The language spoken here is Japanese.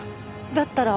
だったら。